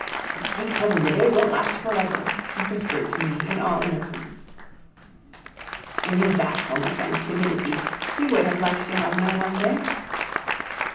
"Thank Heaven, the day won't last for ever!" he whispered to me in all innocence. In his bashfulness and timidity he would have liked to have no one there.